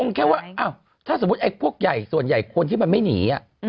แค่ว่าถ้าสมมุติไอ้พวกใหญ่ส่วนใหญ่คนที่มันไม่หนี